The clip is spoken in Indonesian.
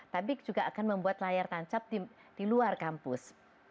tapi juga akan membuat layar tancap di luar kampus